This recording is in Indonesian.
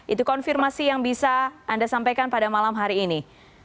itu konfirmasi yang bisa anda sampaikan pada malam hari ini